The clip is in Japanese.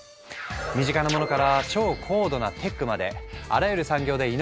身近なものから超高度なテックまであらゆる産業でイノベを起こす半導体。